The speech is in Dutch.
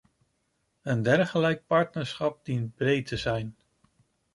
Een dergelijk partnerschap dient breed te zijn.